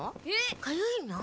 かゆいの？